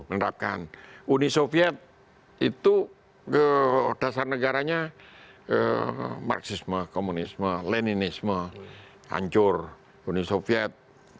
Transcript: menerapkan uni soviet itu ke dasar negaranya marxisme komunisme leninisme hancur uni soviet